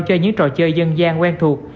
chơi những trò chơi dân gian quen thuộc